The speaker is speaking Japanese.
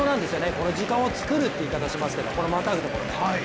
この時間を作るって言い方しますけど、このまたぐとこ。